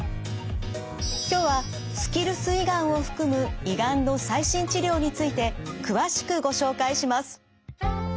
今日はスキルス胃がんを含む胃がんの最新治療について詳しくご紹介します。